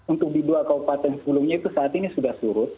untuk di dua kabupaten sebelumnya itu saat ini sudah surut